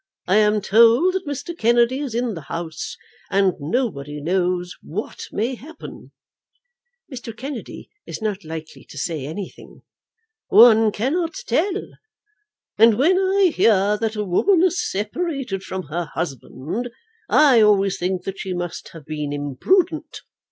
I am told that Mr. Kennedy is in the house, and nobody knows what may happen." "Mr. Kennedy is not likely to say anything." "One cannot tell. And when I hear that a woman is separated from her husband, I always think that she must have been imprudent.